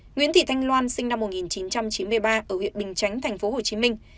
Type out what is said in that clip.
nguyễn thị thanh loan sinh năm một nghìn chín trăm chín mươi ba ở huyện bình chánh thành phố hồ chí minh